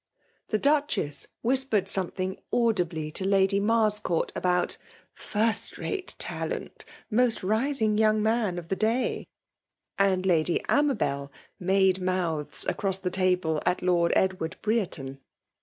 The Duchess whispered something audibly to Lady Marscourt abont '' first rate talent — most rising young man of the day/' — and Lady Amabel made months across the table at Lord Edward Brereton.